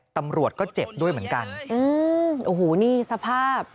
ตำรวจก็เจ็บด้วยเหมือนกันอืมโอ้โหนี่สภาพ